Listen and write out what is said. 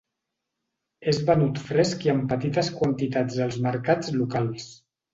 És venut fresc i en petites quantitats als mercats locals.